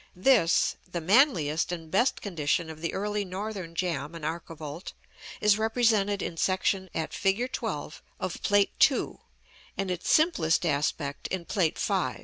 This, the manliest and best condition of the early northern jamb and archivolt, is represented in section at fig. 12 of Plate II.; and its simplest aspect in Plate V.